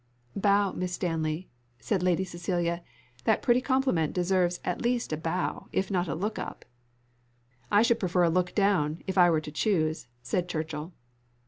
"Bow, Miss Stanley," said Lady Cecilia; "that pretty compliment deserves at least a bow, if not a look up." "I should prefer a look down, if I were to choose," said Churchill.